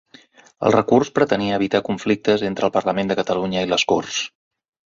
El recurs pretenia evitar conflictes entre el Parlament de Catalunya i les Corts.